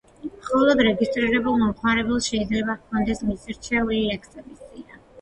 მხოლოდ რეგისტრირებულ მომხმარებელს შეიძლება ჰქონდეს მისი რჩეული ლექსების სია.